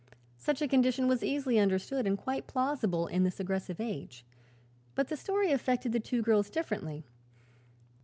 Such a condition was easily understood and quite plausible in this aggressive age. But the story affected the two girls differently.